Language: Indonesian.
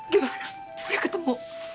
gimana udah ketemu